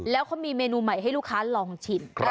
แล้วเขามีเมนูใหม่ให้ลูกค้าลองชิม